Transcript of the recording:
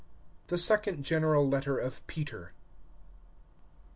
THE SECOND GENERAL LETTER OF PETER.